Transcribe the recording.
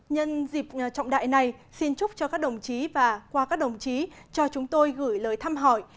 nhân dịp trọng đại này xin chúc cho các đồng chí và qua các đồng chí cho chúng tôi gửi lời thăm hỏi